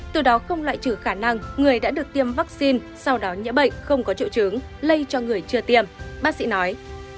từ đó không loại trừ khả năng người đã được tiêm vaccine sau đó nhiễm bệnh không có triệu chứng lây cho người chưa tiêm bác sĩ nói